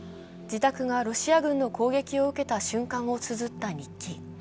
自宅がロシア軍の攻撃を受けた瞬間をつづった日記。